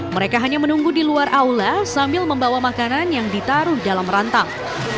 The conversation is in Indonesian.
mereka hanya menunggu di luar aula sambil membawa makanan yang ditaruh dalam rantang